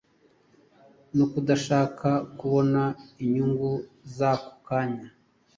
no kudashaka kubona inyungu z’ako kanya